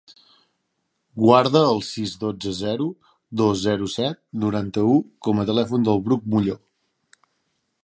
Guarda el sis, dotze, zero, dos, zero, set, noranta-u com a telèfon del Bruc Mullor.